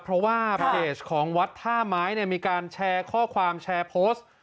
เพราะว่าเพจของวัดท่าไม้มีการแชร์ข้อความแชร์โพสต์